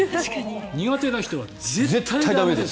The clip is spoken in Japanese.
苦手な人は絶対駄目です。